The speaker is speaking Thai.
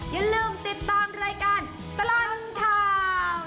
อย่าลืมติดตามรายการตลังทาวน์